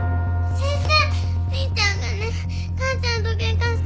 先生。